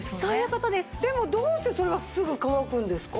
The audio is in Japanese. でもどうしてそれがすぐ乾くんですか？